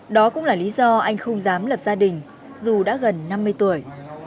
đó cũng là lý do anh không dám lập gia đình dù đã gần năm mươi tuổi